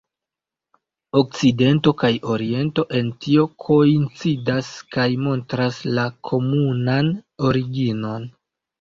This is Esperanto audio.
Okcidento kaj Oriento en tio koincidas kaj montras la komunan originon.